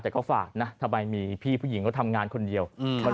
แต่ก็ฝากนะทำไมมีพี่ผู้หญิงก็ทำงานคนเดียว